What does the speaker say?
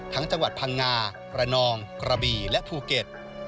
จังหวัดพังงาระนองกระบี่และภูเก็ต